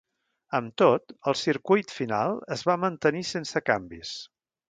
Amb tot, el circuit final es va mantenir sense canvis.